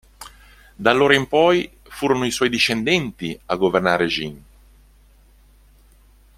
Da allora in poi, furono i suoi discendenti a governare Jin.